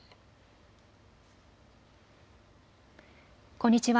こんにちは。